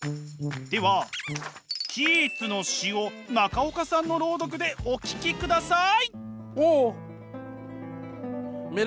ではキーツの詩を中岡さんの朗読でお聞きください。